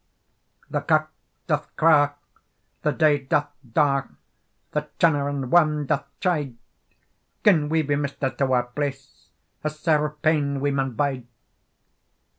"The cock doth craw, the day doth daw, The channerin worm doth chide; Gin we be mist out o our place, A sair pain we maun bide.